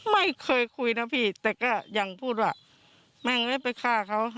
ไม่เคยคุยนะพี่แต่ก็ยังพูดว่าแม่งไม่ไปฆ่าเขาค่ะ